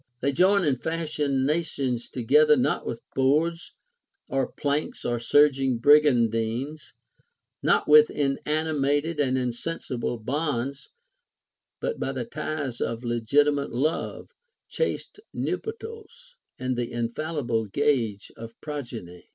They join and fasten nations together not with boards or planks, or surging brigandines, not with inanimate and insensible bonds, but by the ties of legitimate love, chaste nuptials, and the infallible gage of progeny."